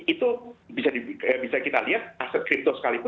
itu bisa kita lihat aset kripto sekalipun